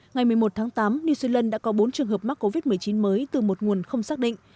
ngày một mươi một tháng tám new zealand đã có bốn trường hợp mắc covid một mươi chín mới từ một nguồn không xác định